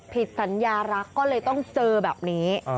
ผิดสัญญารักก็เลยต้องเจอแบบนี้